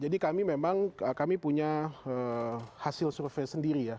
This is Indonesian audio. jadi kami memang kami punya hasil survei sendiri ya